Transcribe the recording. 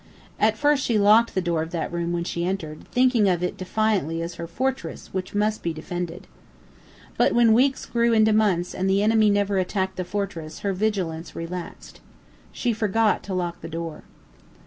At first she locked the door of that room when she entered, thinking of it defiantly as her fortress which must be defended. But when weeks grew into months and the enemy never attacked the fortress her vigilance relaxed. She forgot to lock the door.